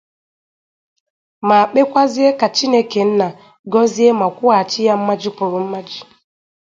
ma kpekwazie ka Chineke nna gọzie ma kwụghàchi ya mmaji kwuru mmaji.